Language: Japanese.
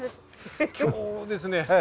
今日ですね